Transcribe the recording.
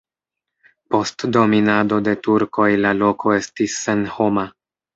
Post dominado de turkoj la loko estis senhoma.